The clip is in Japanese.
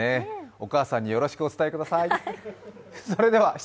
お母さんによろしくお伝えください。